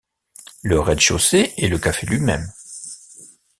Le rez-de-chaussée est le café lui-même.